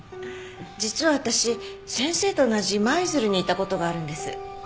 実は私先生と同じ舞鶴にいた事があるんです。